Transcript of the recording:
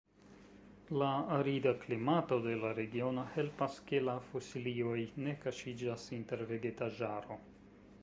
La arida klimato de la regiono helpas ke la fosilioj ne kaŝiĝas inter vegetaĵaro.